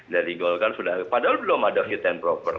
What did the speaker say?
dari golkar sudah padahal belum ada fit and proper